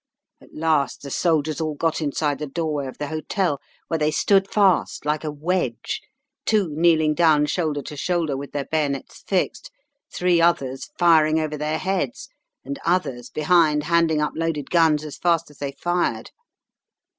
"At last the soldiers all got inside the doorway of the hotel, where they stood fast like a wedge, two kneeling down shoulder to shoulder with their bayonets fixed, three others firing over their heads, and others behind handing up loaded guns as fast as they fired.